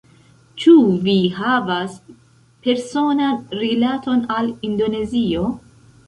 Ĉu vi havas personan rilaton al Indonezio?